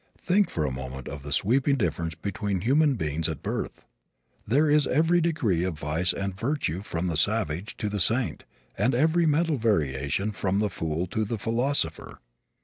Think for a moment of the sweeping difference between human beings at birth. There is every degree of vice and virtue from the savage to the saint and every mental variation from the fool to the philosopher.